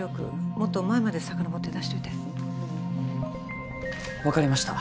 もっと前までさかのぼって出しといて分かりました